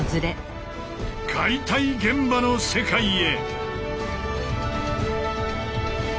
解体現場の世界へ！